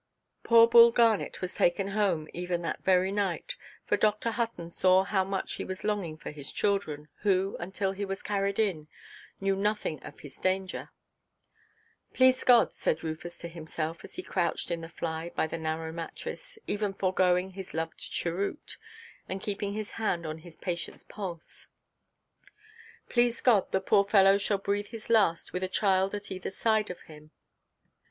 Poor Bull Garnet was taken home, even that very night. For Dr. Hutton saw how much he was longing for his children, who (until he was carried in) knew nothing of his danger. "Please God," said Rufus to himself, as he crouched in the fly by the narrow mattress, even foregoing his loved cheroot, and keeping his hand on his patientʼs pulse; "please God, the poor fellow shall breathe his last with a child at either side of him."